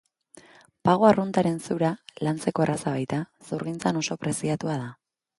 Pago arruntaren zura, lantzeko erraza baita, zurgintzan oso preziatua da.